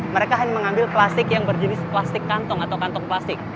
mereka hanya mengambil plastik yang berjenis plastik kantong atau kantong plastik